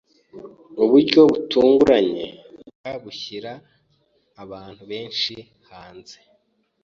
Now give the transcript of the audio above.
Uburyo butunguranye bwa bushyira abantu benshi hanze.